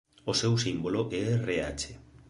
O seu símbolo é Rh.